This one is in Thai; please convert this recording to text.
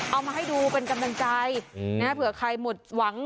เอามาให้ดูเป็นกำลังใจเผื่อใครหมดหวัง